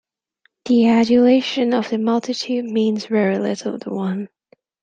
The adulation of the multitude means very little to one.